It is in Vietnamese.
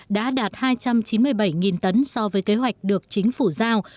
đã đạt hai trăm chín mươi bảy tấn so với kế hoạch được chính phủ giao